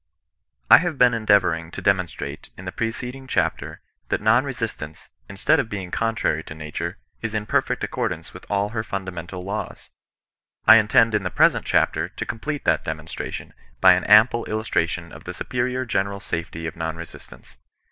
I HAVE been endeavouring to demonstrate in the pre ceding chapter that non resistance, instead of being con trary to Nature, is in perfect accordance with all her fundamental laws. I intend in the present chapter to complete that demonstration by an ample illustration of the superior general safety of non resistance.